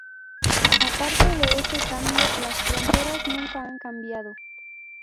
Aparte de ese cambio, las fronteras nunca han cambiado.